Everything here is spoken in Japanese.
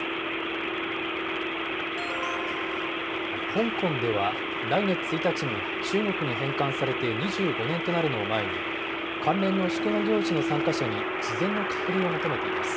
香港では来月１日に、中国に返還されて２５年となるのを前に、関連の祝賀行事の参加者に事前の隔離を求めています。